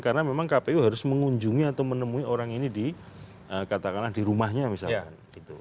karena memang kpu harus mengunjungi atau menemui orang ini di katakanlah di rumahnya misalkan